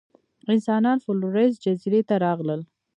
انسانان فلورېس جزیرې ته راغلل.